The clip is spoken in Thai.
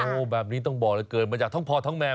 โอ้โหแบบนี้ต้องบอกเลยเกิดมาจากทั้งพ่อทั้งแมว